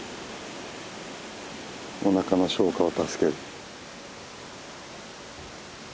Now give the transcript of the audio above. おなかの消化を助ける。